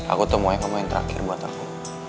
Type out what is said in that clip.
aku tuh mau yang kamu yang terakhir buat aku